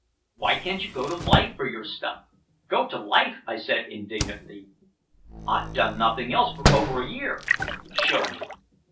Why can't you go to life for your stuff?" "Go to life?" I said indignantly. "I've done nothing else for over a year!" "Show me."